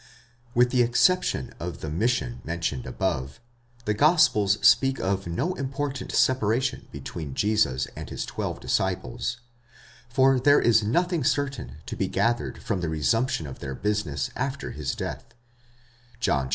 With the exception of the mission mentioned above, the gospels speak of no important separation between Jesus and his twelve disciples, for there is nothing certain to be gathered from the resumption of their business after his death (John xxi.